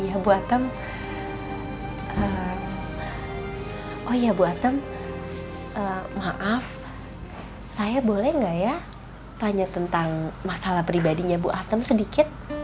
ya bu atem oh iya bu atem maaf saya boleh nggak ya tanya tentang masalah pribadinya bu atem sedikit